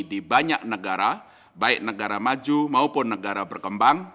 di banyak negara baik negara maju maupun negara berkembang